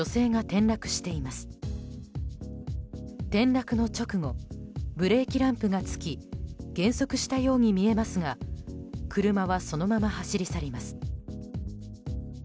転落の直後ブレーキランプがつき減速したように見えますが車はそのまま走り去ります。